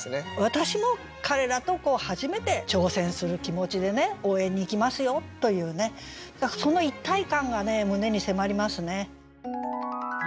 私も彼らと初めて挑戦する気持ちで応援に行きますよというね何かその一体感が胸に迫りますね。